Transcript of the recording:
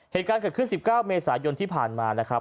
เหตุการณ์เกิดขึ้น๑๙เมษายนที่ผ่านมานะครับ